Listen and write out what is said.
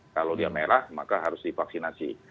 kalau dia merah maka harus divaksinasi